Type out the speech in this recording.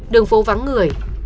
đường phố vắng người